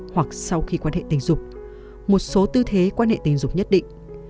hoặc sau khi quan hệ tình dục một số tư thế quan hệ tình dục nhất định